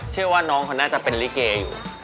เชื่อว่าน้องเขาน่าจะเป็นลิเกอยู่